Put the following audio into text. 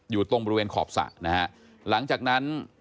อยู่ตรงบริเวณขอบศะนะฮะ